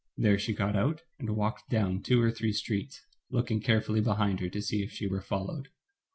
There she got out and walked down two or three streets, looking carefully behind her to see if she were followed.